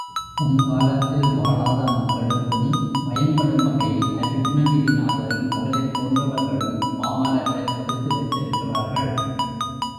தம் காலத்தில் வாழாத மக்களுக்கும் பயன்படும் வகையில் அருணகிரிநாதரும் அவரைப் போன்றவர்களும் பாமாலைகளைத் தொடுத்து வைத்திருக்கிறார்கள்.